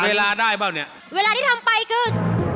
เวลาที่ทำไปคือ